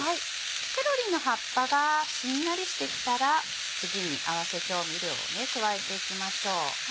セロリの葉っぱがしんなりしてきたら次に合わせ調味料を加えていきましょう。